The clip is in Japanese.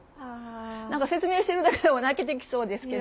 何か説明しているだけでも泣けてきそうですけど。